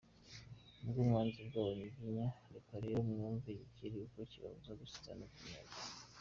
ok mwanze ubwa abanyiginya reka rero mwunve igikeri uko kibabuza gusinzira noguhumeka